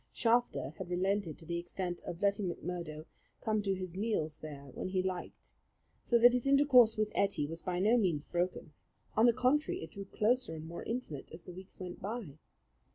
Shafter had relented to the extent of letting McMurdo come to his meals there when he liked; so that his intercourse with Ettie was by no means broken. On the contrary, it drew closer and more intimate as the weeks went by.